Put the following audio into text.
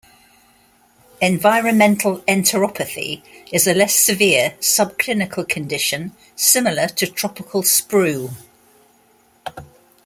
Environmental enteropathy is a less severe, subclinical condition similar to tropical sprue.